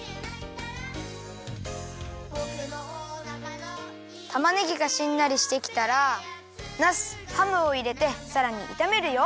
「ぼくのおなかの」たまねぎがしんなりしてきたらナスハムをいれてさらにいためるよ。